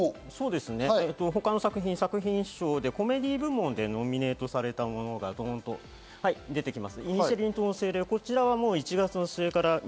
作品賞でコメディー部門でノミネートされたものが出てきます。